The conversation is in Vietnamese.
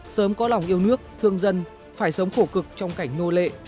sớm có lòng yêu nước thương dân phải sống khổ cực trong cảnh nô lệ